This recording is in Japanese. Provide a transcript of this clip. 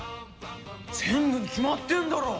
全部に決まってんだろ！